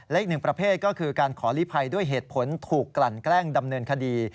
และอีกหนึ่งประเภทก็คือการขอลิภัยด้วยเหตุผลถูกกลั่นแกล้งดำเนินคดี